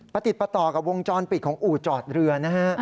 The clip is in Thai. ประติดประต่อกับวงจรปิดของอู่จอดเรือนะฮะ